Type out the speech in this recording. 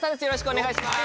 お願いします。